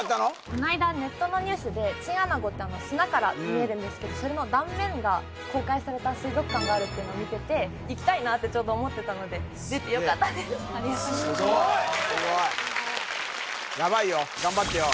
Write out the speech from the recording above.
こないだネットのニュースでチンアナゴってあの砂から見えるんですけどそれの断面が公開された水族館があるっていうのを見てて行きたいなってちょうど思ってたのですごいすごいヤバいよ頑張ってよ